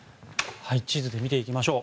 地図で見ていきましょう。